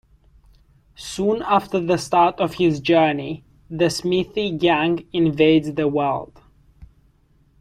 Soon after the start of his journey, the Smithy Gang invades the world.